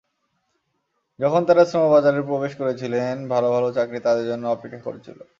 যখন তাঁরা শ্রমবাজারে প্রবেশ করেছিলেন, ভালো ভালো চাকরি তাঁদের জন্য অপেক্ষা করছিল।